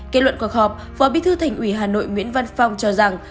kết luận cuộc họp phó bí thư thành ủy hà nội nguyễn văn phong cho rằng